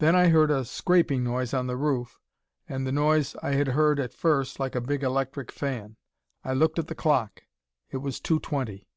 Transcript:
Then I heard a scraping noise on the roof and the noise I had heard at first like a big electric fan. I looked at the clock. It was two twenty.